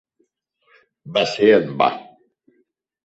Va ser en va.